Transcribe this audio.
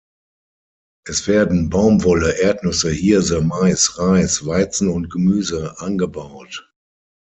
Es werden Baumwolle, Erdnüsse, Hirse, Mais, Reis, Weizen und Gemüse angebaut.